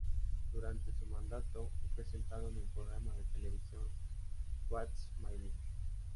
Durante su mandato, fue presentado en el programa de televisión "What's My Line?